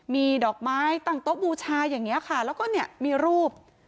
มีดอกไม้ตั้งโต๊ะบูชาอย่างนี้ค่ะแล้วก็เนี่ยมีรูป